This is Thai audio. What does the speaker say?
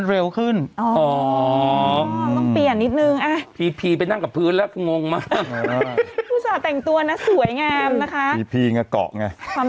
โกวาโกวาโกวาโกวาโกวาโกวาโกวาโกวาโกวาโกวา